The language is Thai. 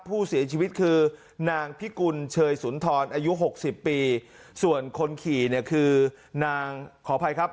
ผู้เสียชีวิตคือนางพิกุลเชยสุนทรอายุหกสิบปีส่วนคนขี่เนี่ยคือนางขออภัยครับ